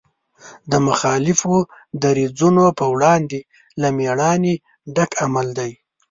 د مخالفو دریځونو په وړاندې له مېړانې ډک عمل دی.